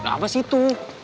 udah abah situ